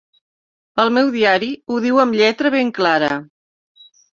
El meu diari ho diu amb lletra ben clara.